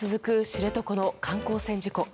知床の観光船事故。